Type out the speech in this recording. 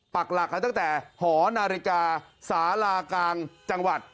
ปักหลักกันตั้งแต่หอนาฬิกาสารากลางจังหวัด